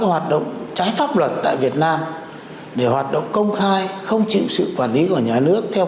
những cái pháp luật tại việt nam để hoạt động công khai không chịu sự quản lý của nhà nước theo